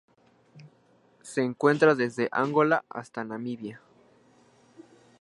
Se encuentra desde Angola hasta Namibia.